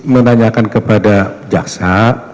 bertanya kepada jaksa